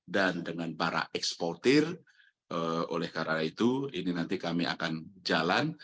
dan dengan para eksportir oleh karena itu ini nanti kami akan jalan